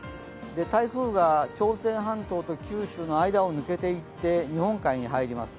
台風が朝鮮半島と九州の間を抜けていって日本海に入ります。